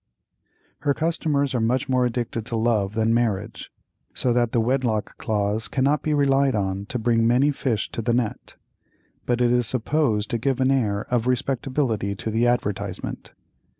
Her customers are much more addicted to love than marriage, so that the wedlock clause cannot be relied on to bring many fish to the net, but it is supposed to give an air of respectability to the advertisement.